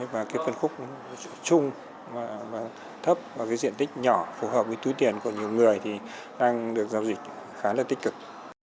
và cái phân khúc chung thấp và cái diện tích nhỏ phù hợp với túi tiền của nhiều người thì đang được giao dịch khá là tích cực